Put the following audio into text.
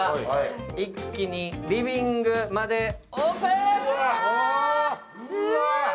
一気にリビングまでオープン！